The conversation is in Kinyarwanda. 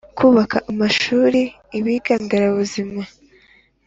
Kubaka amashuri ibiga nderabuzima